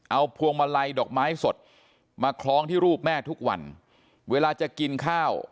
เอาพวงมาลัยดอกไม้สดมาคล้องที่รูปแม่ทุกวันเวลาจะกินข้าว